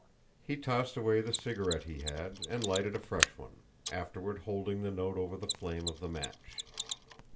He tossed away the cigarette he had and lighted a fresh one, afterward holding the note over the flame of the match.